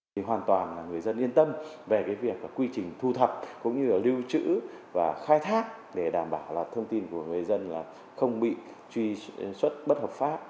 thì hoàn toàn là người dân yên tâm về cái việc quy trình thu thập cũng như là lưu trữ và khai thác để đảm bảo là thông tin của người dân là không bị truy xuất bất hợp pháp